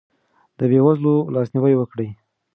د بې وزلو لاسنیوی وکړئ.